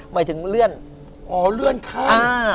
หมายถึงเลื่อนอ๋อเลื่อนขั้น